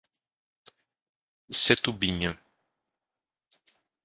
Setubinha